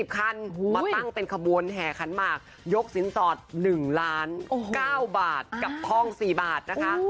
คันมาตั้งเป็นขบวนแห่ขันหมากยกสินสอด๑ล้าน๙บาทกับท่อง๔บาทนะคะ